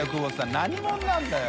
何者なんだよ？